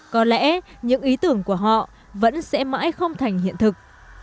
có lẽ những ý tưởng của họ vẫn sẽ mãi không thành hiện thực